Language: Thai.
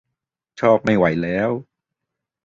ชอบไม่ไหวแล้ว !